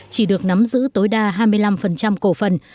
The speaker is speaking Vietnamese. chỉ được nắm giữ tối đa hai mươi năm cổ phần